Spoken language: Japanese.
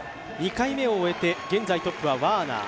２回目を終えて現在トップはワーナー。